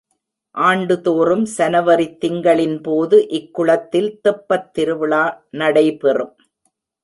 ஆண்டுதோறும் சனவரித் திங்களின்போது இக் குளத்தில் தெப்பத் திருவிழா நடைபெறும்.